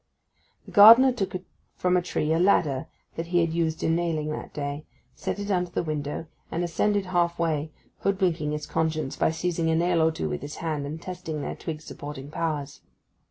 The gardener took from a tree a ladder that he had used in nailing that day, set it under the window, and ascended half way, hoodwinking his conscience by seizing a nail or two with his hand and testing their twig supporting powers.